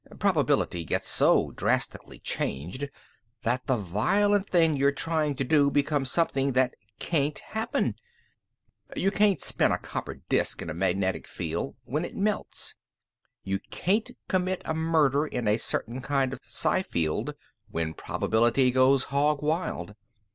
Probability gets so drastically changed that the violent thing you're trying to do becomes something that can't happen. Hm m m. ... You can't spin a copper disk in a magnetic field when it melts. You can't commit a murder in a certain kind of psi field when probability goes hog wild.